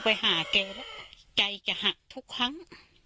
ตัวป้ารู้สึกเอง